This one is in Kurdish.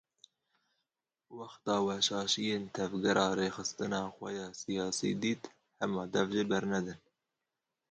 Wexta we şaşîyên tevgera rêxistina xwe ya sîyasî dît hema dev jê bernedin.